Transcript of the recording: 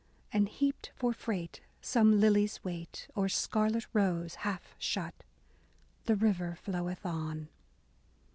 And heaped for freight some lily's weight, Or scarlet rose half shut. The river floweth on.